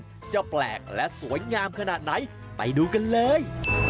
จะแปลกและสวยงามขนาดไหนไปดูกันเลย